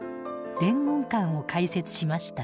「伝言館」を開設しました。